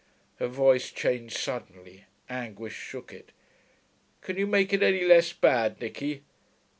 Her voice changed suddenly; anguish shook it. 'Can you make it any less bad, Nicky?'